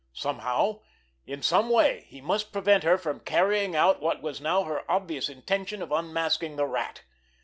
Somehow, in some way, he must prevent her from carrying out what was now her obvious intention of unmasking the Rat.